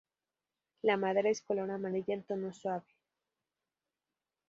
La madera es color amarilla en tono suave.